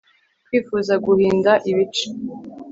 Kwifuza guhinda ibice